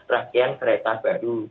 rangkaian kereta baru